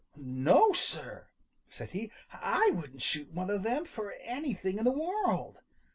"No, sir!" said he. "I wouldn't shoot one of them for anything in the world!